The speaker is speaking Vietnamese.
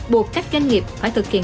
bột các doanh nghiệp phải thực hiện